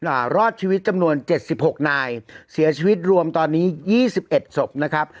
อ่ารอดชีวิตจำนวนเจ็ดสิบหกนายเสียชีวิตรวมตอนนี้ยี่สิบเอ็ดศพนะครับ